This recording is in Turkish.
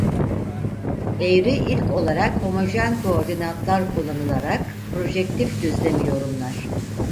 Eğri ilk olarak homojen koordinatlar kullanılarak projektif düzlemi yorumlar.